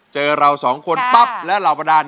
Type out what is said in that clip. เจอเราสองคนตับและเหล่าพนาน